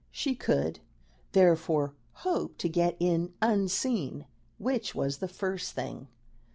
She could, therefore, hope to get in unseen, which was the first thing.